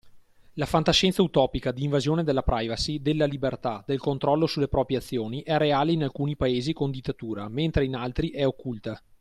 La fantascienza utopica, di invasione della privacy, della libertà, del controllo sulle proprie azioni è reale in alcuni paesi con dittatura mentre in altri è occulta.